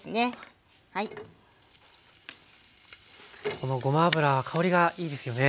このごま油香りがいいですよね。